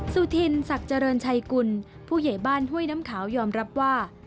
สุธินศักดิ์เจริญชัยกุลผู้ใหญ่บ้านห้วยน้ำขาวยอมรับว่า